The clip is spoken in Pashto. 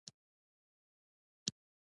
آیا قاضیان پاک دي؟